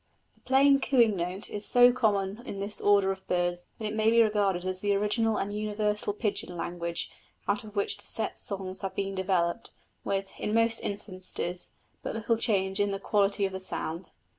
The plain cooing note is so common in this order of birds that it may be regarded as the original and universal pigeon language, out of which the set songs have been developed, with, in most instances, but little change in the quality of the sound.